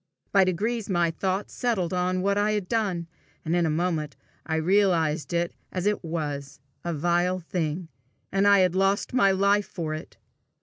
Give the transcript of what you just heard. By degrees my thought settled on what I had done, and in a moment I realized it as it was a vile thing, and I had lost my life for it!